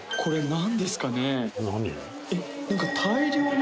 何？